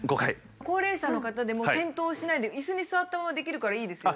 高齢者の方でも転倒しないでイスに座ったままできるからいいですよね。